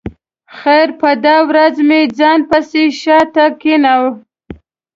خیر په دا ورځ مې ځان پسې شا ته کېناوه.